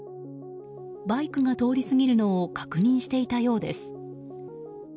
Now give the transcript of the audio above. バイクが通り過ぎるのを確認していたようです。